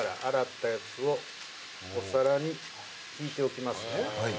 洗ったやつをお皿に敷いておきますね。